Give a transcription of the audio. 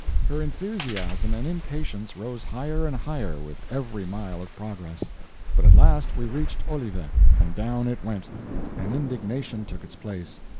Her enthusiasm and impatience rose higher and higher with every mile of progress; but at last we reached Olivet, and down it went, and indignation took its place.